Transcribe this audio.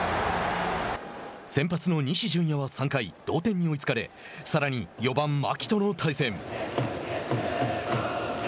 先発の西純矢は３回同点に追いつかれさらに４番牧との対戦。